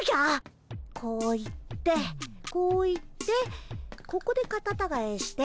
こう行ってこう行ってここでカタタガエして。